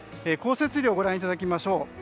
降雪量ご覧いただきましょう。